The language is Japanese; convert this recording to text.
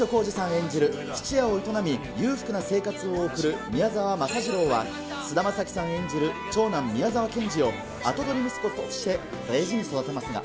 演じる質屋を営み裕福な生活を送る宮沢政次郎は、菅田将暉さん演じる長男、宮沢賢治を跡取り息子として大事に育てますが。